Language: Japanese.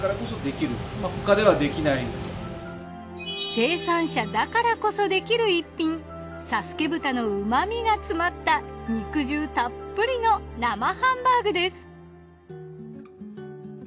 生産者だからこそできる逸品佐助豚の旨みが詰まった肉汁たっぷりの生ハンバーグです。